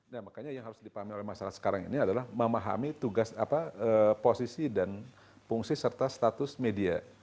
nah makanya yang harus dipahami oleh masyarakat sekarang ini adalah memahami tugas apa posisi dan fungsi serta status media